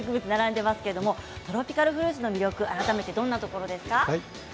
トロピカルフルーツの魅力改めてどんなところですか。